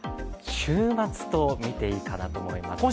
週末とみていいかなと思います。